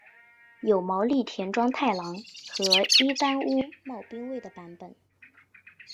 有毛利田庄太郎和伊丹屋茂兵卫的版本。